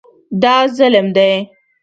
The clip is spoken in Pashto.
دا ظلم دی.